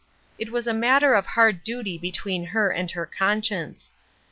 It was a matter of hard duty between her and her conscience.